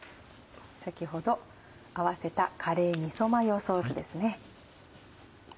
先ほど合わせたカレーみそマヨソースですね。